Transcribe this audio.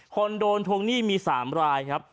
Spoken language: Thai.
คนโดนทวงหนี้มี๓รายครับ